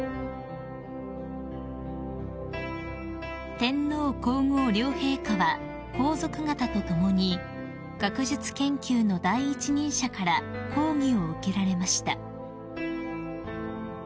［天皇皇后両陛下は皇族方と共に学術研究の第一人者から講義を受けられました］